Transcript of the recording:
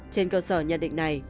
trên cơ sở nhận định này